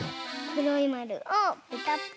くろいまるをペタッと。